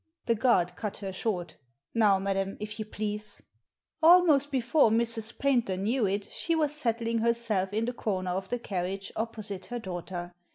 The guard cut her short " Now, madam, if you please !" Almost before Mrs. Paynter knew it she was settling herself in the comer of the carriage opposite her daughter.